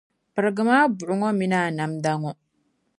Pirigim’ a buɣu ŋɔ min’ a namda ŋɔ.